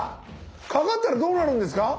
かかったらどうなるんですか？